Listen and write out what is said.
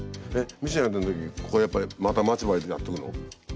ミシン当てる時ここやっぱりまた待ち針でやっとくの？